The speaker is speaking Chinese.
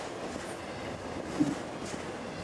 埃尔格尔斯堡是德国图林根州的一个市镇。